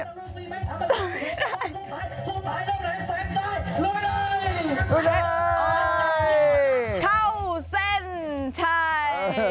เข้าเส้นใช่